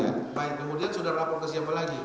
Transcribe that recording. baik kemudian sudah lapor ke siapa lagi